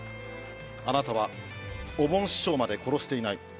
あなたはおぼん師匠まで殺していない。